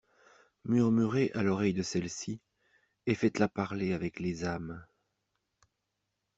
Murmurez à l’oreille de celle-ci, et faites-la parler avec les âmes.